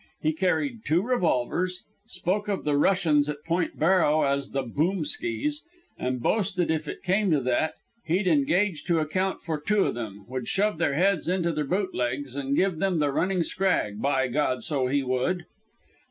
He carried two revolvers, spoke of the Russians at Point Barrow as the "Boomskys," and boasted if it came to that he'd engage to account for two of them, would shove their heads into their boot legs and give them the running scrag, by God so he would!